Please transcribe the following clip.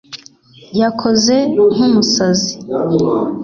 yakoze nkumusazi